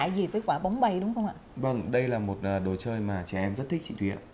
đây là một đồ chơi mà trẻ em rất thích chị thúy ạ